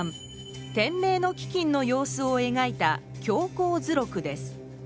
天明のききんの様子をえがいた凶荒図録です。